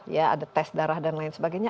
ya ada tes darah dan lain sebagainya